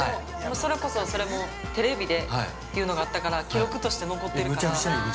それこそ、テレビでっていうのがあったから記録として残ってるから。